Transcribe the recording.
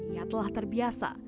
ia telah terbiasa